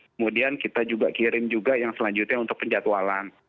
kemudian kita juga kirim juga yang selanjutnya untuk penjatualan